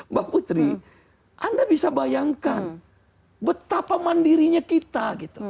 mbak putri anda bisa bayangkan betapa mandirinya kita